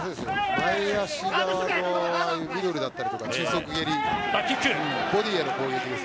前足側のミドルだったりとか中足蹴り、ボディーへの攻撃